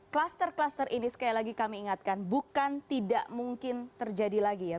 kluster kluster ini sekali lagi kami ingatkan bukan tidak mungkin terjadi lagi ya